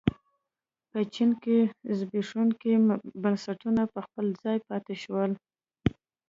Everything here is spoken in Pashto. په چین کې زبېښونکي بنسټونه په خپل ځای پاتې شول.